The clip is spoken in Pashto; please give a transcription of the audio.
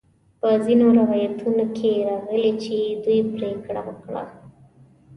په ځینو روایتونو کې راغلي چې دوی پریکړه وکړه.